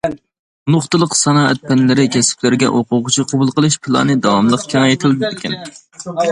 نۇقتىلىق سانائەت پەنلىرى كەسىپلىرىگە ئوقۇغۇچى قوبۇل قىلىش پىلانى داۋاملىق كېڭەيتىلىدىكەن.